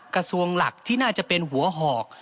กระทรวงหลักที่น่าจะเป็นหัวหอก